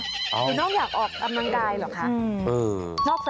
คือน้องอยากออกกำลังกายหรือคะ